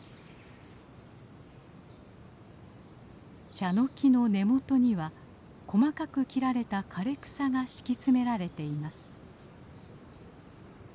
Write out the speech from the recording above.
チャノキの根元には細かく切られた枯れ草が敷き詰められています。